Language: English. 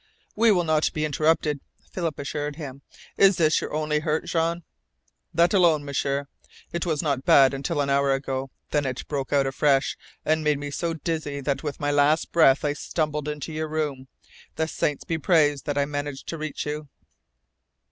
"We will not be interrupted," Philip assured him. "Is this your only hurt, Jean?" "That alone, M'sieur. It was not bad until an hour ago. Then it broke out afresh, and made me so dizzy that with my last breath I stumbled into your room. The saints be praised that I managed to reach you!"